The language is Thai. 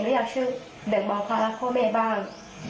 หนูอยากชื่อเด็กบอลฟารักษ์ข้อเมฆบ้าง